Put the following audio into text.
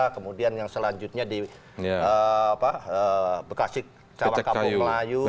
kemudian yang selanjutnya di bekasi cawakapuk melayu